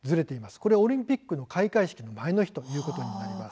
これはオリンピックの開会式の前の日ということになります。